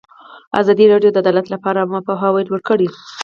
ازادي راډیو د عدالت لپاره عامه پوهاوي لوړ کړی.